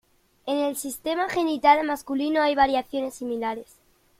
En el sistema genital masculino hay variaciones similares.